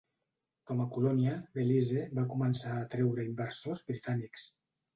Com a colònia, Belize va començar a atreure a inversors britànics.